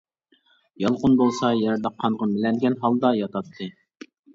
يالقۇن بولسا يەردە قانغا مىلەنگەن ھالدا ياتاتتى.